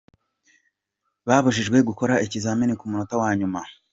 Babujijwe gukora ikizamini ku munota wa nyuma